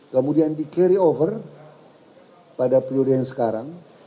kemudian di carry over pada periode yang sekarang